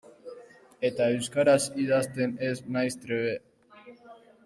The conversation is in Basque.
Eta euskaraz idazten ez naiz trebe.